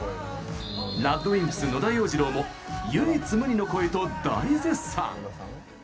ＲＡＤＷＩＭＰＳ、野田洋次郎も唯一無二の声と大絶賛。